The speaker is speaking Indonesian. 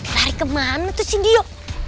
lari kemana tuh si dio